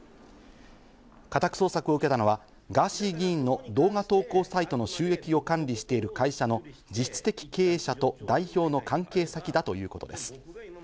家宅捜索を受けたのはガーシー議員の動画投稿サイトの収益を管理している会社の実質的経営者と、代表の関係先だということです。